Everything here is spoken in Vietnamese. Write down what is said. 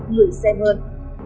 người xem hơn